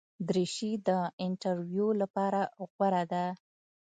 دریشي د انټرویو لپاره غوره ده.